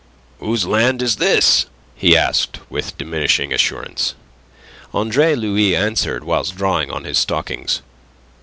"Whose land is this?" he asked, with diminishing assurance. Andre Louis answered, whilst drawing on his stockings.